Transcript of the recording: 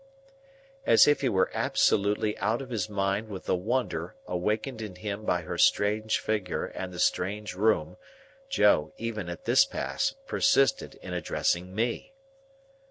As if he were absolutely out of his mind with the wonder awakened in him by her strange figure and the strange room, Joe, even at this pass, persisted in addressing me.